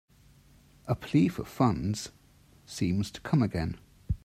A plea for funds seems to come again.